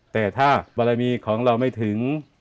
แต่ถ้าบารมีของเราไม่ถึง